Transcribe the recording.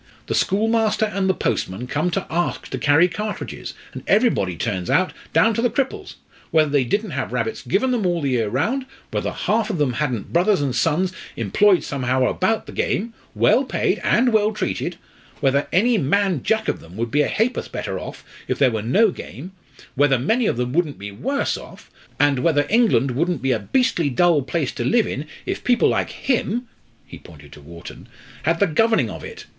the schoolmaster and the postman come to ask to carry cartridges, and everybody turns out, down to the cripples! whether they didn't have rabbits given them all the year round; whether half of them hadn't brothers and sons employed somehow about the game, well paid, and well treated; whether any man jack of them would be a ha'porth better off if there were no game; whether many of them wouldn't be worse off; and whether England wouldn't be a beastly dull place to live in, if people like him" he pointed to Wharton "had the governing of it!